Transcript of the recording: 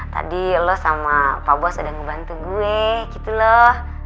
tadi lo sama pak bos ada ngebantu gue gitu loh